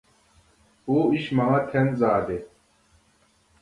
— ئۇ ئىش ماڭا تەن زادى!